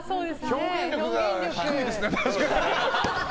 表現力が低いですね、確かに。